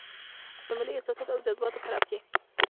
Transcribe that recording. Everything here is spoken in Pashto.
د ملي احساساتو او جذباتو په رپ کې.